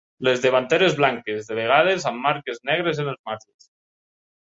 Les davanteres blanques, de vegades amb marques negres en els marges.